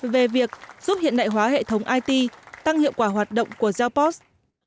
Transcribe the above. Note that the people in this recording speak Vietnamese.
về việc giúp hiện đại hóa hệ thống it tăng hiệu quả hoạt động của zapost